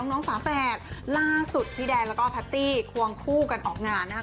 ฝาแฝดล่าสุดพี่แดนแล้วก็แพตตี้ควงคู่กันออกงานนะคะ